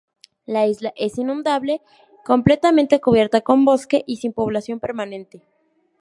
La isla es inundable, completamente cubierta con bosque y sin población permanente.